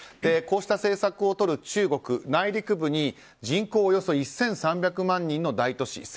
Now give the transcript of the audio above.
こうした政策をとる中国内陸部に人口およそ１３００万人の大都市